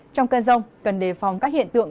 trong cơn rông cần đề phòng các hiện tượng